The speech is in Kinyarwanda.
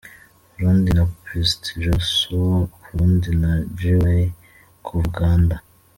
Burundi na Pst Josua Karundi na G-Way kuva Uganda.